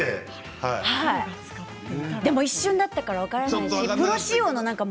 でも一瞬だったから分からないんです。